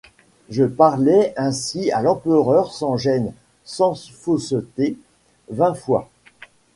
Je parlai ainsi à l'empereur sans gêne, sans fausseté, vingt fois.